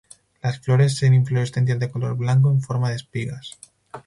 Las flores en inflorescencias de color blanco en forma de espigas.